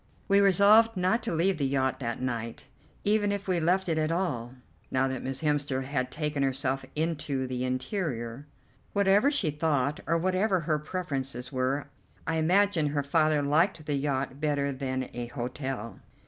We resolved not to leave the yacht that night, even if we left it at all, now that Miss Hemster had taken herself into the interior. Whatever she thought, or whatever her preferences were, I imagine her father liked the yacht better than a hotel.